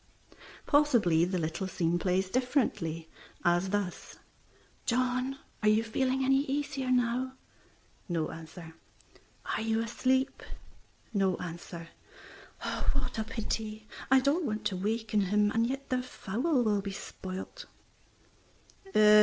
Possibly the little scene plays differently, as thus "John, are you feeling any easier now?" No answer. "Are you asleep?" No answer. "What a pity! I don't want to waken him, and yet the fowl will be spoilt."